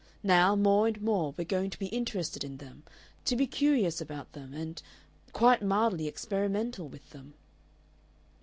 Now, more and more, we're going to be interested in them, to be curious about them and quite mildly experimental with them."